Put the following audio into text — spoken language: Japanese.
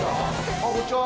ああ、こんにちは。